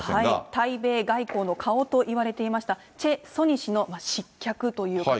対米外交の顔といわれていました、チェ・ソニ氏の失脚という形に。